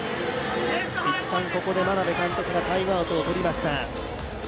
１回、ここで眞鍋監督がタイムアウトを取りました。